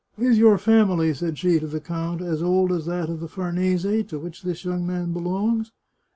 " Is your family," said she to the count, " as old as that of the Farnese, to which this young man belongs